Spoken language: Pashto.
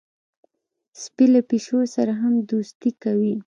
سپي له پیشو سره هم دوستي کوي.